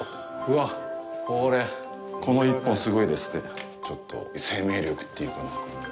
これ、この１本、すごいですね、ちょっと生命力っていうかね。